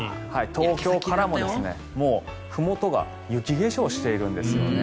東京からも、ふもとが雪化粧しているんですよね。